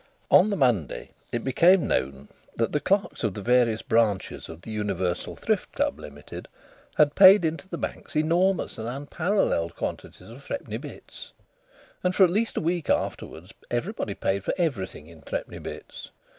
On the Monday it became known that the clerks of the various branches of the Universal Thrift Club, Limited, had paid into the banks enormous and unparalleled quantities of threepenny bits, and for at least a week afterwards everybody paid for everything in threepenny bits.